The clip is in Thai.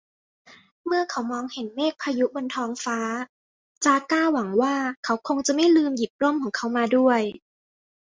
เมื่อเขามองเห็นเมฆพายุบนท้องฟ้า จาก้าหวังว่า เขาคงจะไม่ลืมหยิบร่มของเขามาด้วย